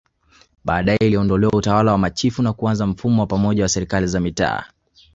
Baadae iliondolewa Utawala wa machifu na kuanza mfumo wa pamoja wa Serikali za Mitaa